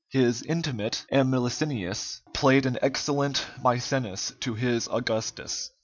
His intimate, M. Licinius, played an excellent Mæcenas to his Augustus.